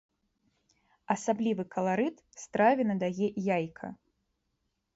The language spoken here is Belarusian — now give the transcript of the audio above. Асаблівы каларыт страве надае яйка.